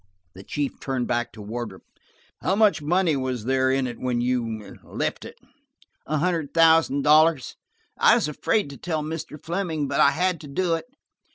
The chief turned back to Wardrop. "How much money was there in it when you–left it ?" "A hundred thousand dollars. I was afraid to tell Mr. Fleming, but I had to do it.